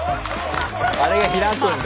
あれが開くんだ。